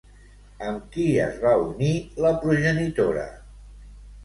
Amb qui es va unir, la progenitora?